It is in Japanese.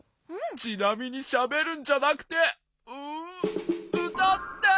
ちなみにしゃべるんじゃなくてうたって！